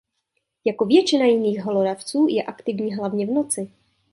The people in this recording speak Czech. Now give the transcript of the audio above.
Jako většina jiných hlodavců je aktivní hlavně v noci.